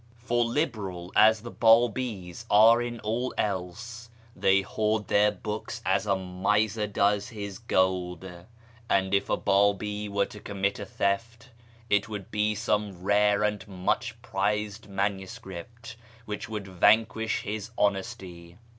For liberal as the Babis are in all else, they hoard their books as a miser does his gold ; and if a Babi were to commit a theft, it would be some rare and much prized manuscript which would vanquish his honesty.